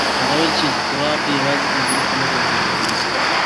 هغه وویل چې اضطراب یوازې کمزوري خلک اغېزمن کوي.